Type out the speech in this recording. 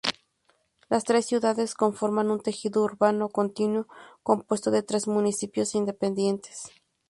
Las tres ciudades conforman un tejido urbano continuo, compuesto de tres municipios independientes.